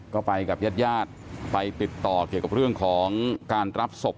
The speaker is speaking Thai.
ก็ไปกับญาติญาติไปติดต่อเกี่ยวกับเรื่องของการรับศพ